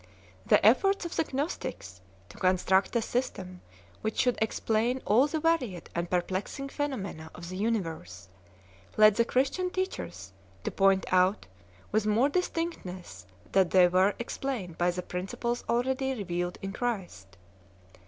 The efforts of the Gnostics to construct a system which should explain all the varied and perplexing phenomena of the universe, led the Christian teachers to point out with more distinctness that they were explained by the principles already revealed in Christ.